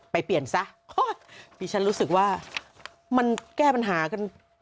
ไปเปลี่ยนซะอ้อมีชั้นรู้สึกว่ามันแก้ปัญหากัน